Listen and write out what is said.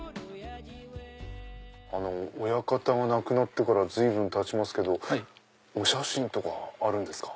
親方が亡くなってから随分たちますけどお写真とかあるんですか？